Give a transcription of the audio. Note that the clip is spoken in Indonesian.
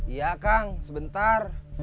iya kang sebentar